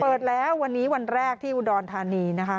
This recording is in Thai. เปิดแล้ววันนี้วันแรกที่อุดรธานีนะคะ